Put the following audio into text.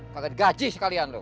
paget gaji sekalian loh